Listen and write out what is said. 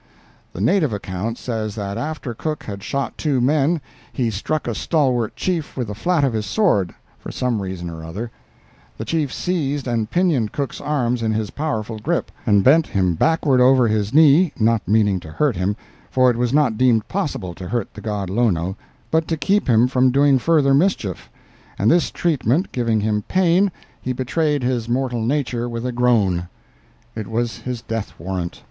The native account says that after Cook had shot two men, he struck a stalwart chief with the flat of his sword, for some reason or other; the chief seized and pinioned Cook's arms in his powerful grip, and bent him backward over his knee (not meaning to hurt him, for it was not deemed possible to hurt the god Lono, but to keep him from doing further mischief) and this treatment giving him pain, he betrayed his mortal nature with a groan! It was his death warrant.